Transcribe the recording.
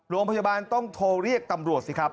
โรงพยาบาลต้องโทรเรียกตำรวจสิครับ